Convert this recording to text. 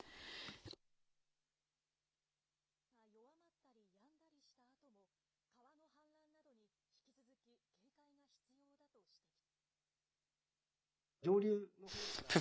しかし、専門家は雨が弱まったりやんだりしたあとも、川の氾濫などに引き続き警戒が必要だと指摘します。